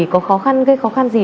có khó khăn gây khó khăn gì